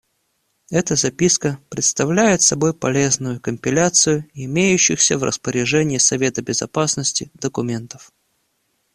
Эта записка представляет собой полезную компиляцию имеющихся в распоряжении Совета Безопасности документов.